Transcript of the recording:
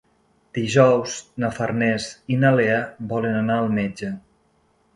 Dijous na Farners i na Lea volen anar al metge.